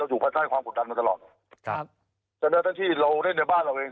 เราอยู่ภาษาในความผลดันกันตลอดครับแต่ในตั้งที่เราเล่นในบ้านเราเอง